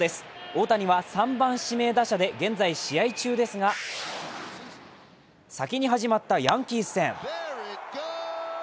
大谷は３番・指名打者で現在、試合中ですが先に始まったヤンキース戦。